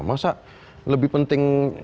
masa lebih penting